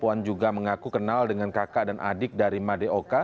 dan untuk pramono anung saya berterima kasih